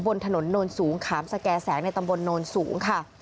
บนถนนโนนสูงขามสแก่แสงในตำบลโนนสูงค่ะ